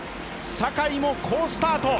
坂井も好スタート。